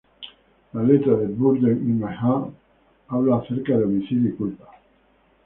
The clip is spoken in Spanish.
La letra de "Burden in My Hand" habla acerca de homicidio y culpa.